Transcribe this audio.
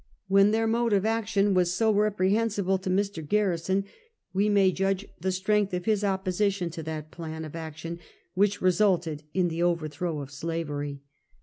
When their mode of action was so reprehensible to Mr. Garrison, we may judge the strength of his opposition to that plan of action which resulted in the overthrow of slavery.